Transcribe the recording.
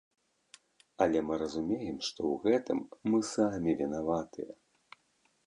Але мы разумеем, што ў гэтым мы самі вінаватыя.